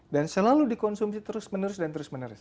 selalu dikonsumsi terus menerus dan terus menerus